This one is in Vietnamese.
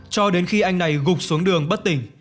cho đến khi anh này gục xuống đường bất tỉnh